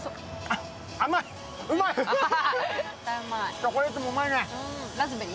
チョコレートもうまいね。